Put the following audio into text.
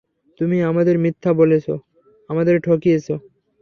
তুমি আমাদের মিথ্যা বলেছ, আমাদের ঠকিয়েছো।